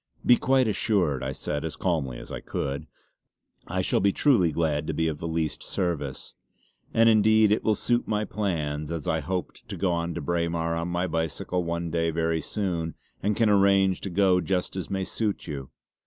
"Be quite assured," I said as calmly as I could "I shall be truly glad to be of the least service. And indeed it will just suit my plans, as I hoped to go to Braemar on my bicycle one day very soon and can arrange to go just as may suit you.